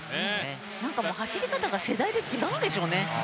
なんか走り方が世代で違うんでしょうね。